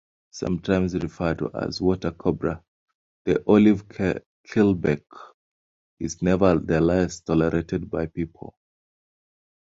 Sometimes, referred to as a "water-cobra", the olive keelback is nevertheless tolerated by people.